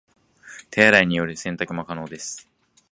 手洗いによる洗濯も可能です